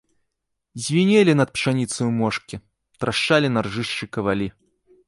Звінелі над пшаніцаю мошкі, трашчалі на ржышчы кавалі.